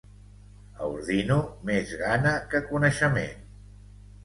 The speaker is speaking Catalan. A Ordino, més gana que coneixement.